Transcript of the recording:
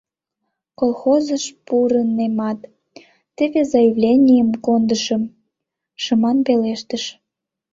— Колхозыш пурынемат, теве заявленийым кондышым, — шыман пелештыш.